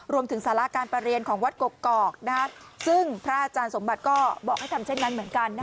สาระการประเรียนของวัดกอกซึ่งพระอาจารย์สมบัติก็บอกให้ทำเช่นนั้นเหมือนกัน